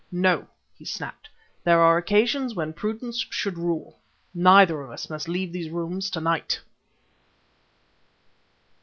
"No!" he snapped; "there are occasions when prudence should rule. Neither of us must leave these rooms to night!"